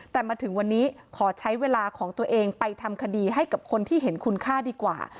แต่มาถึงวันนี้ขอใช้เวลาของตัวเองไปทำคดีให้กับคนที่เห็นคุณค่าดีกว่า